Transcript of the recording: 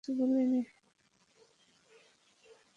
আমি এমন কিছুই বলিনি।